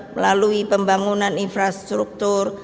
melalui pembangunan infrastruktur